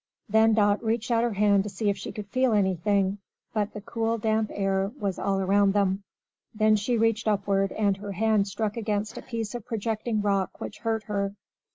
Then Dot reached out her hand to see if she could feel anything; but the cool, damp air was all around them. Then she reached upward, and her hand struck against a piece of projecting rock which hurt her.